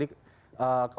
olimpiade juga dilakukan ya